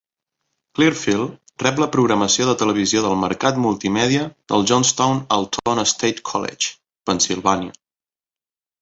Clearfield rep la programació de televisió del mercat multimèdia del Johnstown-Altoona-State College, Pennsilvània.